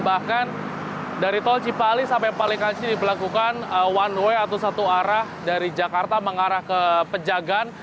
bahkan dari tol cipali sampai palikanci diberlakukan one way atau satu arah dari jakarta mengarah ke pejagan